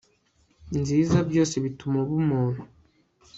nziza byose bituma uba umuntu